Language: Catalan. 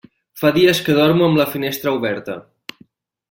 Fa dies que dormo amb la finestra oberta.